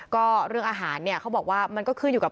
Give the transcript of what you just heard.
ก็เรื่องอาหารเขาบอกว่ามันก็คืออยู่กับ